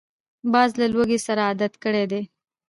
باز له لوږې سره عادت کړی دی